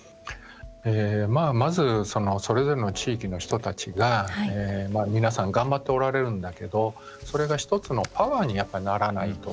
まず、それぞれの地域の人たちが皆さん頑張っておられるんだけどそれが１つのパワーにならないと。